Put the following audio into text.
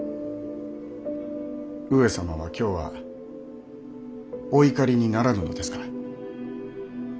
上様は今日はお怒りにならぬのですか？